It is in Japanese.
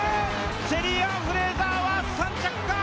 シェリーアン・フレイザーは３着か！